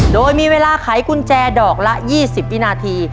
โดยมีเวลาขายกุญแจ๑๒๐๑๐นาที